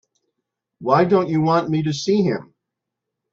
Why don't you want me to see him?